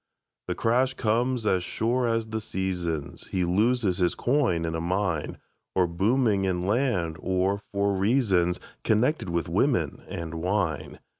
The crash comes as sure as the seasons; He loses his coin in a mine, Or booming in land, or for reasons Connected with women and wine.